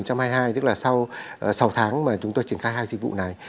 năm hai nghìn hai mươi hai tức là sau sáu tháng mà chúng tôi triển khai hai dịch vụ này